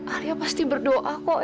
alia pasti berdoa kok ya